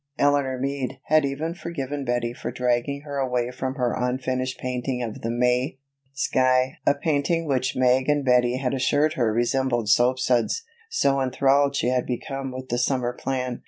Eleanor Meade had even forgiven Betty for dragging her away from her unfinished painting of the May, sky (a painting which Meg and Betty had assured her resembled soap suds), so enthralled had she become with the summer plan.